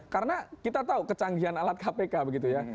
karena kita tahu kecanggihan alat kpk begitu ya